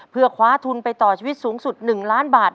เพื่อคว้าทุนไปต่อชีวิตสูงสุด๑ล้านบาท